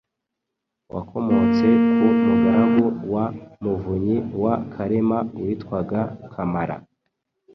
Wakomotse ku mugaragu wa Muvunyi wa Karema witwaga Kamara,